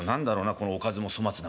このおかずも粗末なもんで。